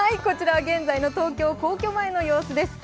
現在の東京・皇居前の様子です。